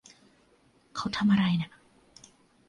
เขาทำอะไรน่ะ